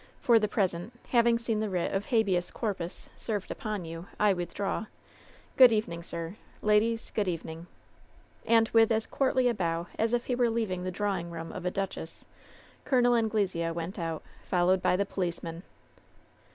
For the present, having seen the writ of habeas corfms served upon you, I withdraw. Good evening, sir. Ladies, good evening.'* And with as courtly a bow as if he were leaving the drawing room of a duchess, Col. Anglesea went out, fol lowed by the policemen.